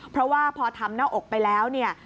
เพราะว่าพอทำหน้าอกไปแล้วเนี่ย